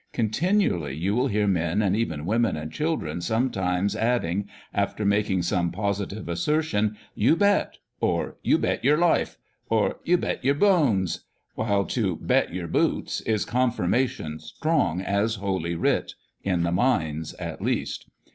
Continually you will hear men, and even women and children some times, adding, after making some positive asser tion, "You bet," or "You bet yer life," or " You bet yer bones," while to " bet yer boots" is confirmation strong as holy writ — in the mines, at least.